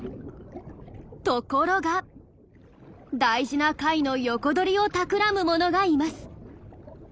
ところが大事な貝の横取りをたくらむものがいます。